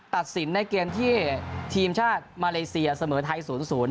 ตัดสินในเกมที่ทีมชาติมาเลเซียเสมอไทย๐๐